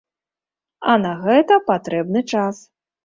А на гэта патрэбны час.